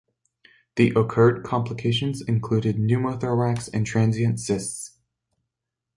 The occurred complications included pneumothorax and transient cysts.